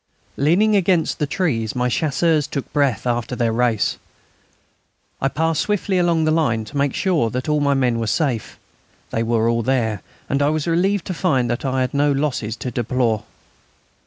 Leaning against the trees, my Chasseurs took breath after their race. I passed swiftly along the line to make sure that all my men were safe. They were all there, and I was relieved to find that I had no losses to deplore.